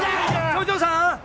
町長さん